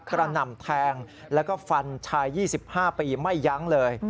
หน่ำแทงแล้วก็ฟันชาย๒๕ปีไม่ยั้งเลย